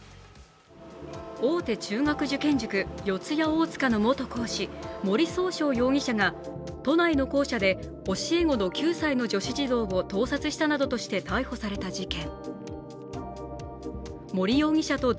大手中学受験塾・四谷大塚の元講師、森崇翔容疑者が都内の校舎で教え子の９歳の女子児童を盗撮したなどとして逮捕された事件。